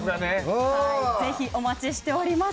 ぜひお待ちしております。